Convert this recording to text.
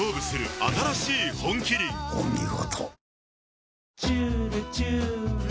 お見事。